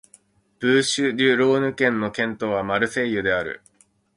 ブーシュ＝デュ＝ローヌ県の県都はマルセイユである